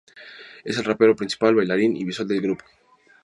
Es el rapero principal, bailarín y visual del grupo.